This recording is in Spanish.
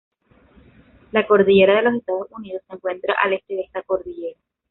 La cordillera de los Estados Unidos se encuentra al este de esta cordillera.